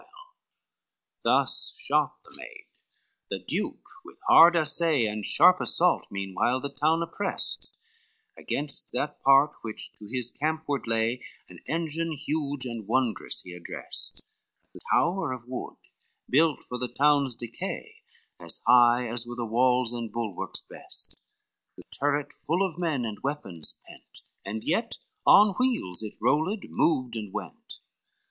XLVI Thus shot the maid: the duke with hard assay And sharp assault, meanwhile the town oppressed, Against that part which to his campward lay An engine huge and wondrous he addressed, A tower of wood built for the town's decay As high as were the walls and bulwarks best, A turret full of men and weapons pent, And yet on wheels it rolled, moved, and went.